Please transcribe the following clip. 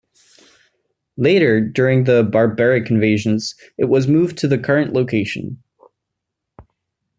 Later, during the barbaric invasions, it was moved to the current location.